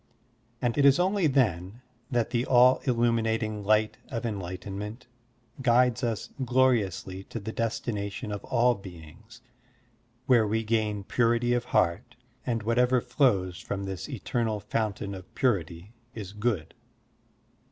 And it is only then that the all illimiinating light of enlightenment guides us gloriously to the destination of all beings, where we gain ptuity of heart, and whatever flows from this eternal fountain of purity is good.